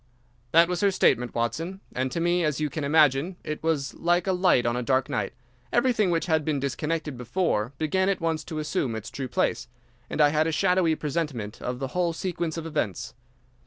"There was her statement, Watson, and to me, as you can imagine, it was like a light on a dark night. Everything which had been disconnected before began at once to assume its true place, and I had a shadowy presentiment of the whole sequence of events.